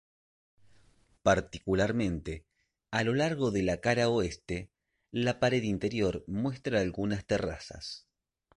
Particularmente a lo largo de la cara oeste, la pared interior muestra algunas terrazas.